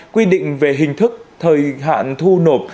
quy định về hình thức thời hạn thu nộp